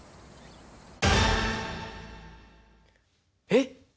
えっ？